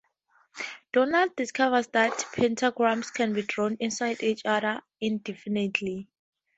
Donald discovers that pentagrams can be drawn inside each other indefinitely.